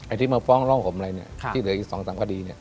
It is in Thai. ไอ้ที่มาฟ้องร่องผมอะไรเนี่ยที่เหลืออีกสองสามพอดีเนี่ย